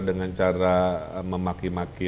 dengan cara memaki maki